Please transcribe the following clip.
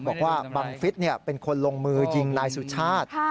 บอกว่าบังฟิศเป็นคนลงมือยิงนายสุชาติ